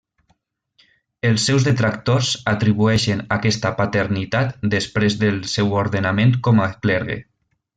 Els seus detractors atribueixen aquesta paternitat després del seu ordenament com a clergue.